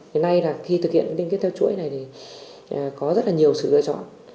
hiện nay là khi thực hiện liên kết theo chuỗi này thì có rất là nhiều sự lựa chọn